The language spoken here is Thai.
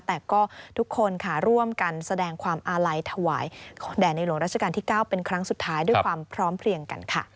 แต่ก็ทุกคนค่ะร่วมกันแสดงความอาลัยถวายแด่ในหลวงราชการที่๙เป็นครั้งสุดท้ายด้วยความพร้อมเพลียงกันค่ะ